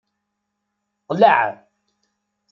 Qleɛ.